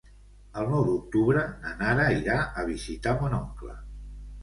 El nou d'octubre na Nara irà a visitar mon oncle.